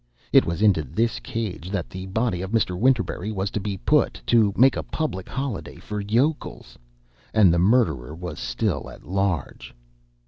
It was into this cage that the body of Mr. Winterberry was to be put to make a public holiday for yokels! And the murderer was still at large!